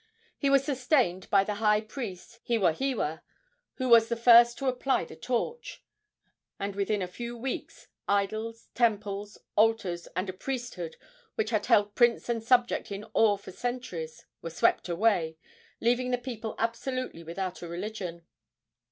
He was sustained by the high priest Hewahewa, who was the first to apply the torch; and within a few weeks idols, temples, altars, and a priesthood which had held prince and subject in awe for centuries were swept away, leaving the people absolutely without a religion.